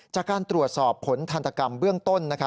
จากการตรวจสอบผลทันตกรรมเบื้องต้น